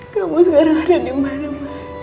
kamu sekarang ada dimana mas